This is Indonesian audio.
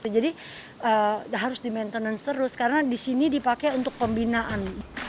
jadi harus di maintenance terus karena di sini dipakai untuk pembinaan